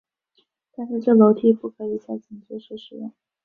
但是这楼梯不可以在紧急时使用。